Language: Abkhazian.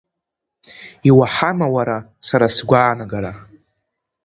Иуаҳама уара са сгәаанагара?